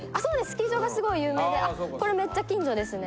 スキー場がすごい有名であっこれめっちゃ近所ですね。